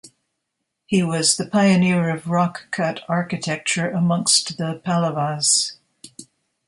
He was the pioneer of Rock-cut Architecture amongst the Pallavas.